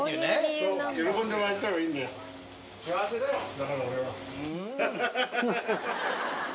だから俺は。